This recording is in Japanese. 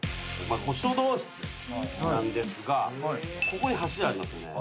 書道室なんですがここに柱ありますよね。